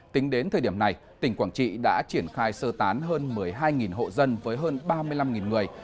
tính đến thời điểm này tỉnh quảng trị đã triển khai sơ tán hơn một mươi hai hộ dân với hơn ba mươi năm người